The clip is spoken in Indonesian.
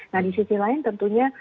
nah di sisi lain tentunya